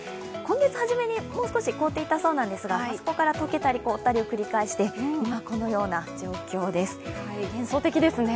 今月初めにもう少し凍っていたそうなんですがそこから解けたり凍ったりを繰り返して、今、このような状況です。